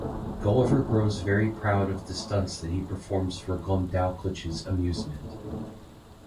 Gulliver grows very proud of the stunts that he performs for Glumdalclitch's amusement.